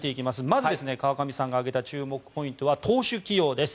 まず川上さんが挙げた注目ポイント投手起用です。